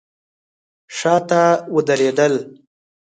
شاته ودرېدل.